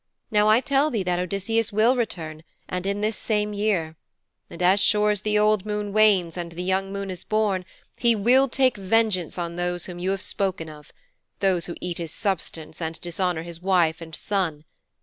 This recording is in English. Now I tell thee that Odysseus will return and in this same year. And as sure as the old moon wanes and the young moon is born, he will take vengeance on those whom you have spoken of those who eat his substance and dishonour his wife and son.